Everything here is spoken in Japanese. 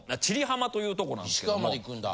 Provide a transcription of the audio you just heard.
石川まで行くんだ。